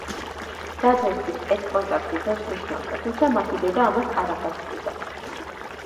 და-ძმისათვის ეს კონტაქტი ბევრს ნიშნავდა, თუმცა მათი დედა ამას არაფრად თვლიდა.